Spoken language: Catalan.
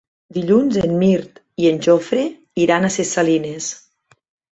Dilluns en Mirt i en Jofre iran a Ses Salines.